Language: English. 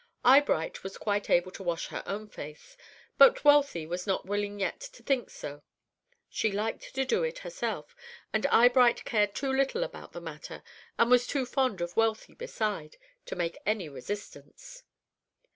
Eyebright was quite able to wash her own face, but Wealthy was not willing yet to think so; she liked to do it herself, and Eyebright cared too little about the matter, and was too fond of Wealthy beside, to make any resistance.